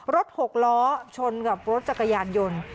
หกล้อชนกับรถจักรยานยนต์